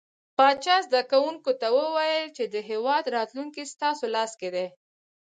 پاچا زده کوونکو ته وويل چې د هيواد راتلونکې ستاسو لاس کې ده .